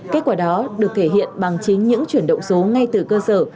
kết quả đó được thể hiện bằng chính những chuyển động số ngay từ cơ sở